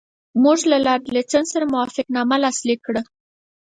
موږ له لارډ لیټن سره موافقتنامه لاسلیک کړه.